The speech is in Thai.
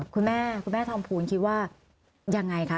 คุณแม่คุณแม่ทองภูลคิดว่ายังไงคะ